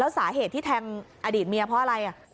สาเหตุที่แทงอดีตเมียเพราะอะไร